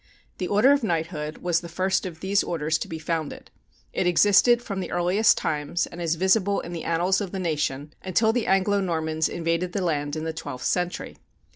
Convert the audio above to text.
The order of knighthood was the first of these orders to be founded. It existed from the earliest times, and is visible in the annals of the nation, until the Anglo Normans invaded the land in the twelfth century.